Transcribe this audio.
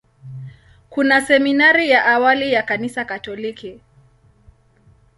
Kuna seminari ya awali ya Kanisa Katoliki.